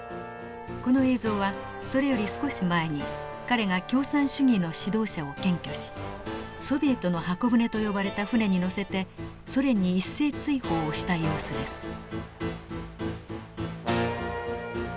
この映像はそれより少し前に彼が共産主義の指導者を検挙しソビエトの方舟と呼ばれた船に乗せてソ連に一斉追放をした様子です。